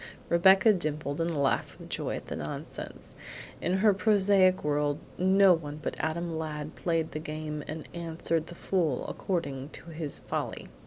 Rebecca dimpled and laughed with joy at the nonsense. In her prosaic world no one but Adam Ladd played the game and answered the fool according to his folly.